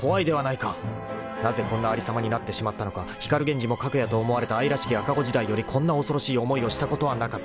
［なぜこんなありさまになってしまったのか光源氏もかくやと思われた愛らしき赤子時代よりこんな恐ろしい思いをしたことはなかった］